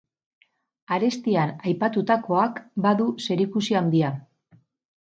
Arestian aipatutakoak badu zerikusi handia.